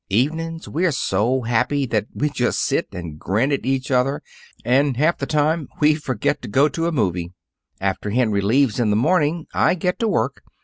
Evenings, we're so happy that we just sit and grin at each other and half the time we forget to go to a 'movie.' After Henry leaves in the morning, I get to work.